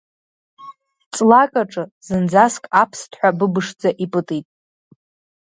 Ҵлак аҿы зынӡаск аԥсҭҳәа быбышӡа ипытит.